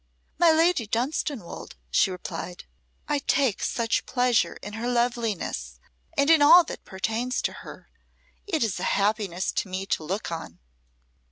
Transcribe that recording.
"My Lady Dunstanwolde," she replied. "I take such pleasure in her loveliness and in all that pertains to her, it is a happiness to me to but look on."